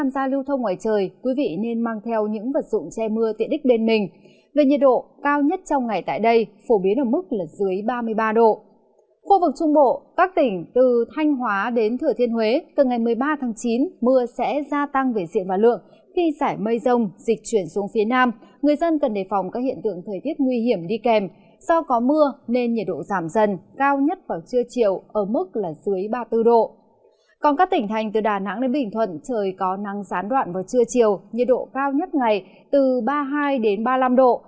còn các tỉnh thành từ đà nẵng đến bình thuận trời có nắng gián đoạn vào trưa chiều nhiệt độ cao nhất ngày từ ba mươi hai đến ba mươi năm độ